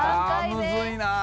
むずいな。